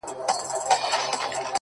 • جواب دي راکړ خپل طالع مي ژړوینه,